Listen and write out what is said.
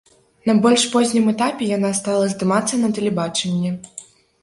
На больш познім этапе яна стала здымацца на тэлебачанні.